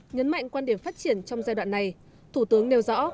nhấn mạnh quan điểm phát triển trong giai đoạn này thủ tướng nêu rõ